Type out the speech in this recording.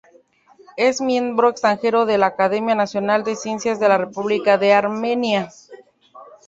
Es miembro extranjero de la Academia Nacional de Ciencias de la República de Armenia.